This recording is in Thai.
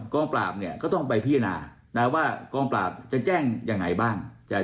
กองปราบเนี่ยก็ต้องไปพิจารณานะว่ากองปราบจะแจ้งยังไงบ้าง